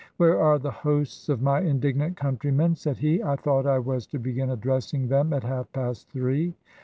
" Where are the hosts of my indignant countrymen ?" said he. " I thought I was to begin addressing them at half past three."